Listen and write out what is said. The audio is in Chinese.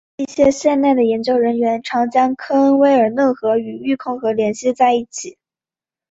一些现代的研究人员常将科恩威尔嫩河与育空河联系在一起。